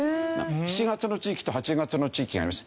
７月の地域と８月の地域があります。